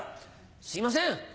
すいません！